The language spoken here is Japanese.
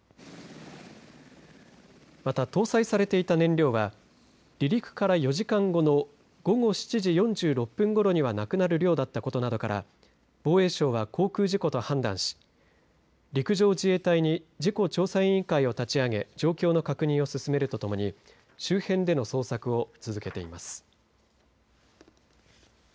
また、搭載されていた燃料は離陸から４時間後の午後７時４６分ごろにはなくなる量だったことなどから防衛省は航空事故と判断し陸上自衛隊に事故調査委員会を立ち上げ状況の確認を進めるとともに周辺での捜索を続けています。